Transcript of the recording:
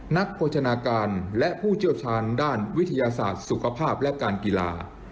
โภชนาการและผู้เชี่ยวชาญด้านวิทยาศาสตร์สุขภาพและการกีฬา